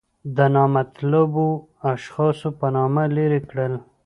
د نامطلوبو اشخاصو په نامه لرې کړل.